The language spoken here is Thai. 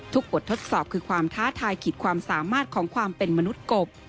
บททดสอบคือความท้าทายขีดความสามารถของความเป็นมนุษย์กบ